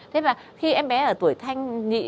thế mà khi em bé ở tuổi thanh